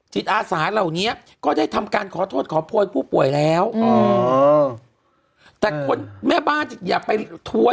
จิตอาสาเหล่านี้ก็ได้ทำการขอโทษขอโพยผู้ป่วยแล้วอ๋อแต่คนแม่บ้านอย่าไปทัวร์